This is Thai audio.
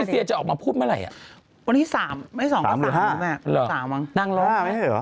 วันที่สามไม่ที่สามก็สามนึงแม่